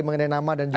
mengenai nama dan juga